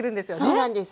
そうなんです。